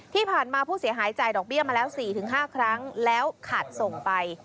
ที่ผ่านมาผู้เสียหายจ่ายดอกเบี้ยมาแล้ว๔๕ครั้งแล้วขาดส่งไป